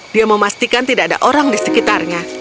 dia memastikan tidak ada orang di sekitarnya